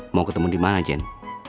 mau ketemu di mana jane